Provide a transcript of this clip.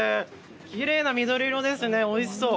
きれいな緑色ですね、おいしそう。